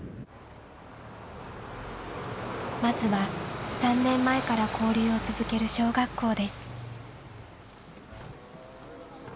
まずは３年前から交流を続ける小学校です。